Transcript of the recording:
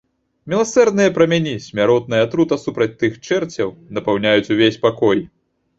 Міласэрныя праменні — смяротная атрута супраць тых чэрцяў — напаўняюць увесь пакой.